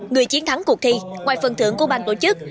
người chiến thắng cuộc thi ngoài phần thưởng của ban tổ chức